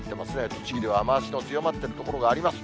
栃木では雨足の強まっている所があります。